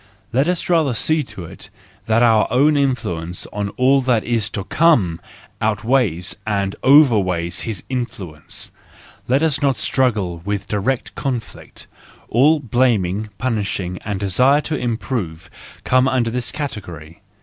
Let us rather see to it that our own influence on all that is to co7ne outweighs and overweighs his influence! Let us not struggle in direct conflict!—all blaming, punishing, and desire to improve comes under this category.